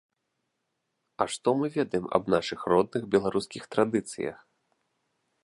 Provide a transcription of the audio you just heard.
А што мы ведаем аб нашых родных беларускіх традыцыях?